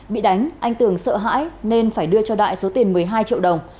bị đánh anh tường sợ hãi nên phải đưa cho đại số tiền một mươi hai triệu đồng